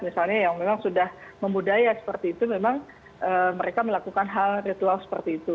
misalnya yang memang sudah membudaya seperti itu memang mereka melakukan hal ritual seperti itu